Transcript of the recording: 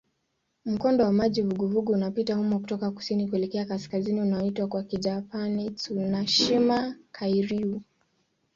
Mkondo wa maji vuguvugu unapita humo kutoka kusini kuelekea kaskazini unaoitwa kwa Kijapani "Tsushima-kairyū".